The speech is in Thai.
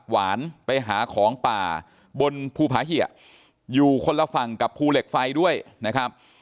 หวานไปหาของป่าบนภูผาเหยะอยู่คนละฝั่งกับภูเหล็กไฟด้วยนะครับ